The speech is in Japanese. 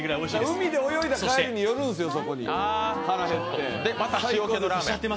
海で泳いだ帰りに寄るんですよ、腹減って。